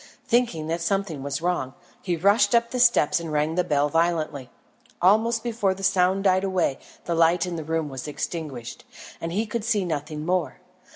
Thinking that something was wrong, he rushed up the steps and rang the bell violently. Almost before the sound died away the light in the room was extinguished, and he could see nothing more.